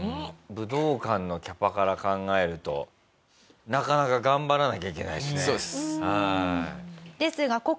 武道館のキャパから考えるとなかなか頑張らなきゃいけないですね。